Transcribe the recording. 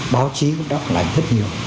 báo chí cũng đã phản ánh rất nhiều